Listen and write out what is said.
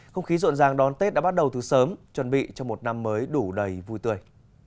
không khí rộn ràng đón tết đã bắt đầu từ sớm chuẩn bị cho một năm mới đủ đầy vui tươi